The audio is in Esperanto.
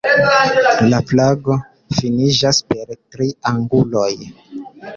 La flago finiĝas per tri anguloj.